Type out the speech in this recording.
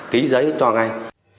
ký giấy cho ngay